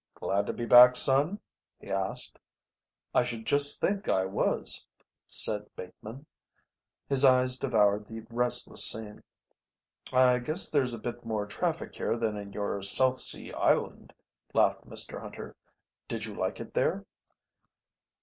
"Glad to be back, son?" he asked. "I should just think I was," said Bateman. His eyes devoured the restless scene. "I guess there's a bit more traffic here than in your South Sea island," laughed Mr Hunter. "Did you like it there?"